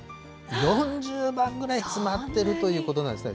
４０万ぐらい詰まってるということなんですね。